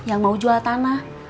yang mau jual tanah